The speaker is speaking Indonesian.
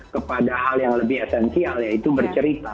kepada hal yang lebih esensial yaitu bercerita